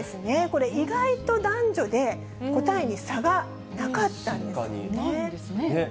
これ、意外と男女で答えに差がなかったんですね。